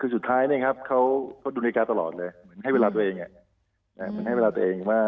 สุดท้ายเขาดูโรยการตลอดให้เวลาตัวเอง